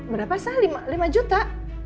berapa sah lima juta